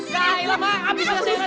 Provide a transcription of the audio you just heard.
gailah mak abis dah sayuran